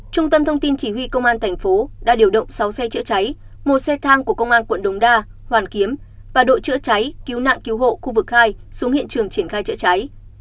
trung tâm thông tin chỉ huy công an thành phố đã điều động sáu xe chữa cháy một xe thang của công an quận đống đa hoàn kiếm và đội chữa cháy cứu nạn cứu hộ khu vực hai xuống hiện trường triển khai chữa cháy